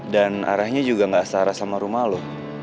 kan arahnya juga gak setara sama rumah lo